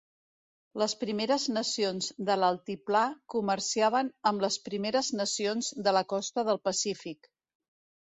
Les Primeres Nacions de l'Altiplà comerciaven amb les Primeres Nacions de la Costa del Pacífic.